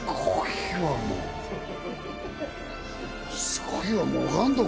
すごいわ。